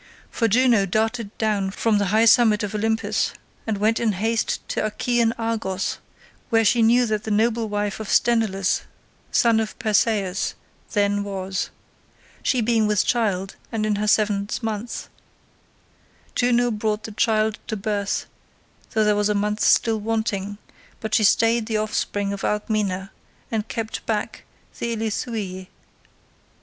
For Juno darted down from the high summit of Olympus, and went in haste to Achaean Argos where she knew that the noble wife of Sthenelus son of Perseus then was. She being with child and in her seventh month, Juno brought the child to birth though there was a month still wanting, but she stayed the offspring of Alcmena, and kept back the Ilithuiae.